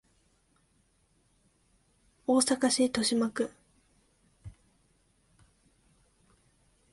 大阪市都島区